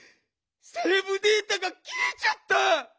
セーブデータがきえちゃった！